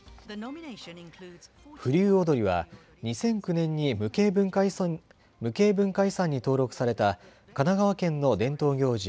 風流踊は２００９年に無形文化遺産に登録された神奈川県の伝統行事